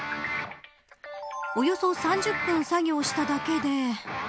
およそ３０分作業をしただけで。